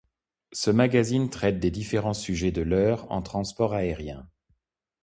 Ce magazine traite des différents sujets de l'heure en transport aérien.